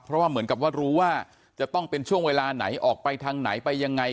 เพราะว่าเหมือนกับว่ารู้ว่าจะต้องเป็นช่วงเวลาไหนออกไปทางไหนไปยังไง